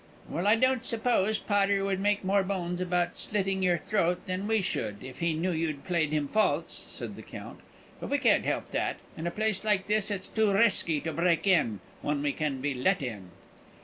"Well, I don't suppose Potter would make more bones about slitting your throat than we should, if he knew you'd played him false," said the Count. "But we can't help that; in a place like this it's too risky to break in, when we can be let in."